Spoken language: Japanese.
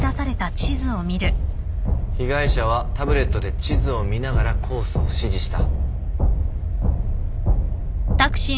被害者はタブレットで地図を見ながらコースを指示した。